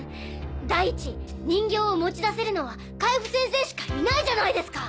第一人形を持ち出せるのは海部先生しかいないじゃないですか。